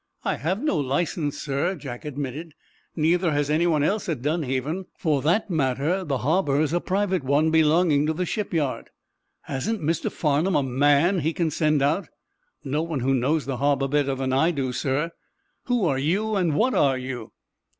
"I have no license, sir," Jack admitted. "Neither has anyone else at Dunhaven. For that matter, the harbor's a private one, belonging to the shipyard." "Hasn't Mr. Farnum a man he can send out?" "No one who knows the harbor better than I do, sir." "Who are you? What are you?"